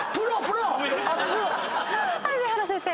はい上原先生。